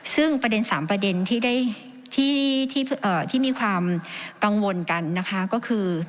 ซึ่งประเด็น๓ประเด็นที่มีความกังวลกันนะคะก็คือ